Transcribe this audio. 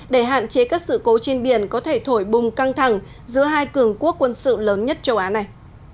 để hạn chế các sự cố trên biển có thể thổi bùng căng thẳng giữa hai cường quốc quân sự lớn nhất châu á này